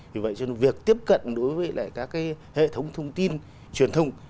vì vậy việc tiếp cận đối với các hệ thống thông tin truyền thông